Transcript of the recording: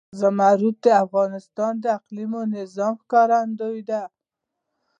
زمرد د افغانستان د اقلیمي نظام ښکارندوی ده.